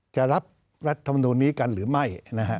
จะรับรัฐธรรมดูลนี้กันหรือไม่นะฮะ